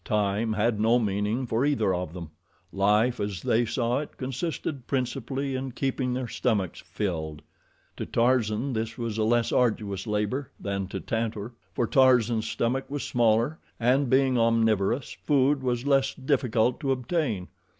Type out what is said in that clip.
Time had no meaning for either of them. Life, as they saw it, consisted principally in keeping their stomachs filled. To Tarzan this was a less arduous labor than to Tantor, for Tarzan's stomach was smaller, and being omnivorous, food was less difficult to obtain.